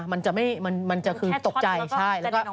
มันจะคือตกใจใช่